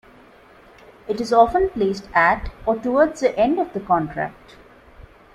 It is often placed at or towards the end of the contract.